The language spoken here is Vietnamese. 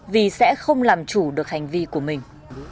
vì sẽ không làm chủ được hành vi của mình